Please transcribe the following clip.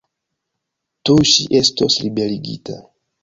Tuj ŝi estos liberigita.